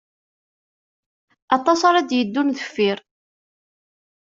Aṭas ara d-yeddun deffir.